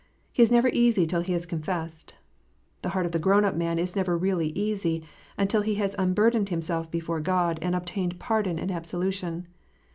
He is never easy till he has confessed. The heart of the grown up man is never really easy, until he has unburdened himself before God and obtained pardon and absolution.